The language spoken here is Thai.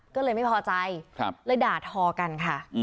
ก็เลยไม่พอใจเลยด่าทอกันค่ะ